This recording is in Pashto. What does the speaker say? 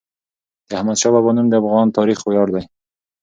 د احمدشاه بابا نوم د افغان تاریخ ویاړ دی.